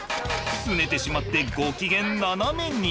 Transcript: すねてしまってご機嫌ななめに。